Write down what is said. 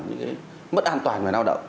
những cái mất an toàn về lao động